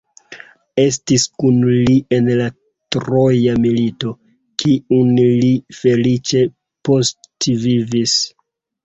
Estis kun li en la Troja milito, kiun li feliĉe postvivis.